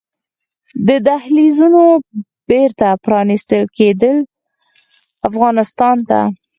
د دهلېزونو بېرته پرانيستل کیدل افغانستان ته